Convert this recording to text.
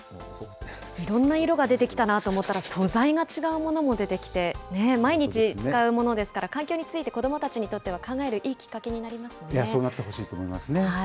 いろんな色が出てきたなと思ったら、素材が違うものも出てきて、毎日、使うものですから、環境について、子どもたちにとっては考えるいいきっかけになりまそうなってほしいですね。